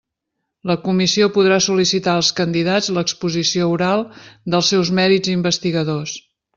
La Comissió podrà sol·licitar als candidats l'exposició oral dels seus mèrits investigadors.